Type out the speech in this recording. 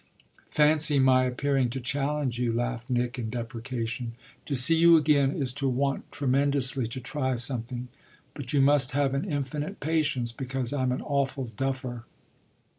"Fancy my appearing to challenge you!" laughed Nick in deprecation. "To see you again is to want tremendously to try something. But you must have an infinite patience, because I'm an awful duffer."